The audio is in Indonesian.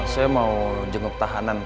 saya mau jenguk tahanan